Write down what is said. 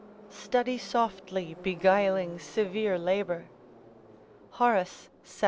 ["Study softly beguiling severe labour." Horace, Sat.